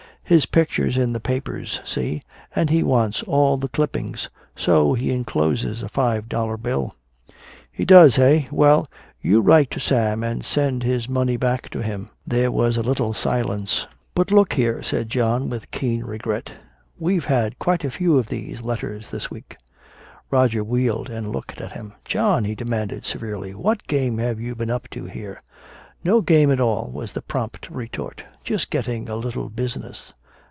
His picture's in the papers see? And he wants all the clippings. So he encloses a five dollar bill." "He does, eh well, you write to Sam and send his money back to him!" There was a little silence. "But look here," said John with keen regret. "We've had quite a lot of these letters this week." Roger wheeled and looked at him. "John," he demanded severely, "what game have you been up to here?" "No game at all," was the prompt retort. "Just getting a little business."